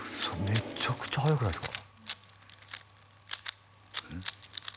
めちゃくちゃはやくないですか？